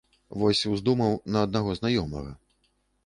Вось уздумаў на аднаго знаёмага.